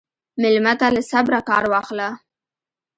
مېلمه ته له صبره کار واخله.